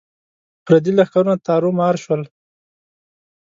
پردي لښکرونه تارو مار شول.